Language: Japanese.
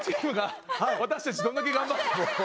私たちどんだけ頑張っても。